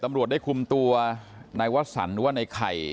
ตำรวจได้คุมตัวนายหวัดสรรหรือว่านายไข่